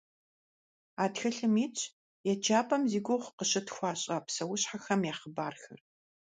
А тхылъым итщ еджапӏэм зи гугъу къыщытхуащӏа псэущхьэхэм я хъыбархэр.